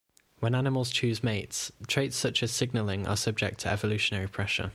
When animals choose mates, traits such as signalling are subject to evolutionary pressure.